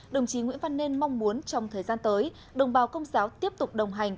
đồng chí nguyễn văn nên mong muốn trong thời gian tới đồng bào công giáo tiếp tục đồng hành